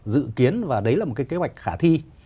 dự kiến và đấy là một cái kế hoạch khả thi